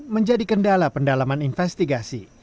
menjadi kendala pendalaman investigasi